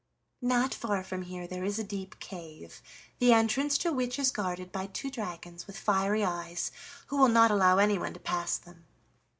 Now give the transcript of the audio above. "Not far from here there is a deep cave, the entrance to which is guarded by two dragons with fiery eyes, who will not allow anyone to pass them.